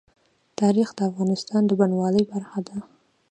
تاریخ د افغانستان د بڼوالۍ برخه ده.